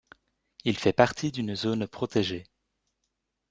Il fait partie d'une zone protégée.